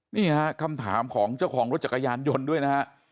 นี่ฮะคำถามของเจ้าของรถจักรยานยนต์ด้วยนะฮะ